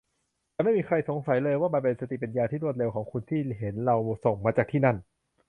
ฉันไม่มีใครสงสัยเลยว่ามันเป็นสติปัญญาที่รวดเร็วของคุณที่เห็นเราส่งมาจากที่นั่น